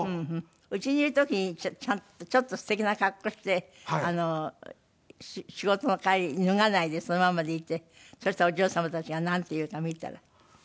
家にいる時にちょっとすてきな格好して仕事の帰り脱がないでそのまんまでいてそしたらお嬢様たちがなんて言うか見たら？